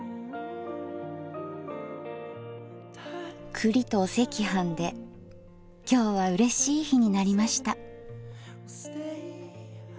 栗とお赤飯で今日はうれしい日になりました。